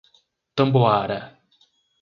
Tamboara